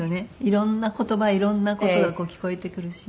いろんな言葉いろんな事が聞こえてくるし。